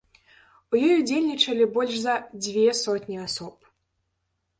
У ёй удзельнічалі больш за дзве сотні асоб.